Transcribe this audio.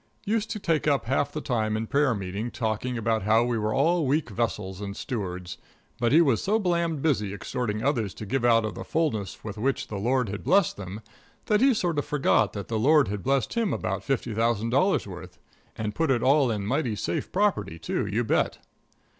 Used to take up half the time in prayer meeting talking about how we were all weak vessels and stewards. But he was so blamed busy exhorting others to give out of the fullness with which the Lord had blessed them that he sort of forgot that the Lord had blessed him about fifty thousand dollars' worth, and put it all in mighty safe property, too, you bet.